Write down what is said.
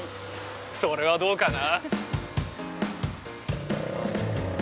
それはどうかな？